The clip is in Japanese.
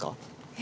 え！？